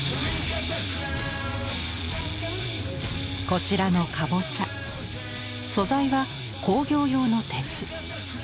こちらのカボチャ素材は工業用の鉄。